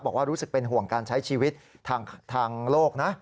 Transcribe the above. รู้สึกเป็นห่วงการใช้ชีวิตทางโลกนะ